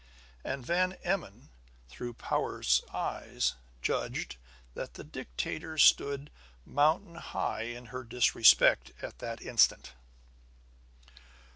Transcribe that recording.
And Van Emmon, through Powart's eyes, judged that the dictator stood mountain high in her respect at that instant.